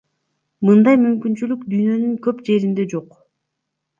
Мындай мүмкүнчүлүк дүйнөнүн көп жеринде жок.